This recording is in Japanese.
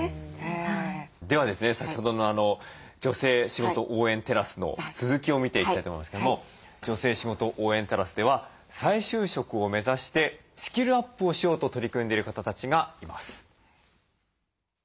では先ほどの女性しごと応援テラスの続きを見ていきたいと思いますけども女性しごと応援テラスでは再就職を目指してスキルアップをしようと取り組んでいる方たちがいます。